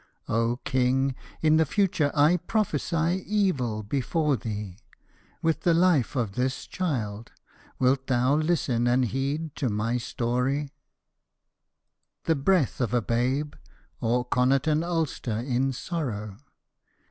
O King, in the future 1 prophesy evil before thee, With the life of this child. Wilt thou listen and heed to my story ? 36 36 FATE OF THE THREE SONS OF The breath of a babe? or Connaught and Ulster in sorrow